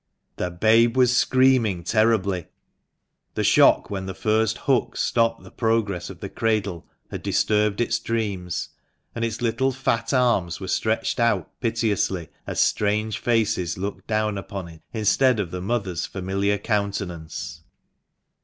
The babe was screaming terribly. The shock when the first hook stopped the progress of the cradle had disturbed its dreams, and its little fat arms were stretched out piteously as strange faces looked down upon it instead of the mother's familiar countenance.